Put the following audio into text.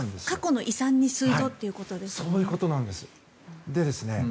過去の遺産にするぞということですね。